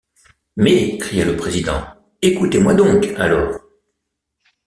Mais, cria le président, écoutez-moi donc, alors.